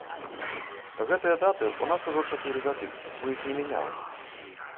Гэтыя даты ў нас ужо чатыры гады, мы іх не мяняем.